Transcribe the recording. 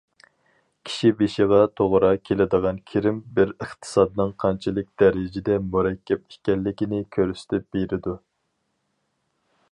كىشى بېشىغا توغرا كېلىدىغان كىرىم بىر ئىقتىسادنىڭ قانچىلىك دەرىجىدە مۇرەككەپ ئىكەنلىكىنى كۆرسىتىپ بېرىدۇ.